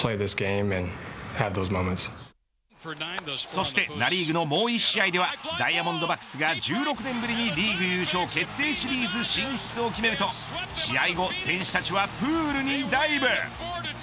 そしてナ・リーグのもう１試合ではダイヤモンドバックスが１６年ぶりにリーグ優勝決定シリーズ進出を決めると試合後選手たちはプールにダイブ。